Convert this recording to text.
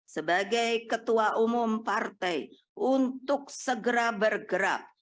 sebagai ketua umum partai untuk segera bergerak